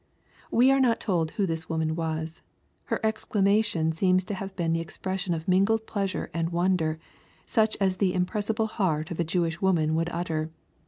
] We are not told who this woman was. Her exclamation seems to have been the expression of mingled pleasure and wonder, such as the impressible heart of a Jewish woman would utter.